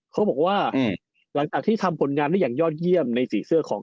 เขาบอกว่าหลังจากที่ทำผลงานได้อย่างยอดเยี่ยมในสีเสื้อของ